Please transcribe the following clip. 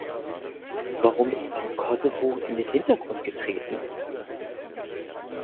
Warum ist dann Kosovo in den Hintergrund getreten?